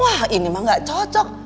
wah ini mah gak cocok